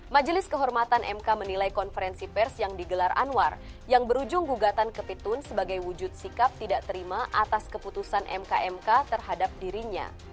majelis kehormatan mk menilai konferensi pers yang digelar anwar yang berujung gugatan kepitun sebagai wujud sikap tidak terima atas keputusan mk mk terhadap dirinya